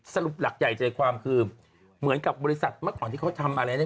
สรุปหลักใหญ่ใจความคือเหมือนกับบริษัทเมื่อก่อนที่เขาทำอะไรเนี่ย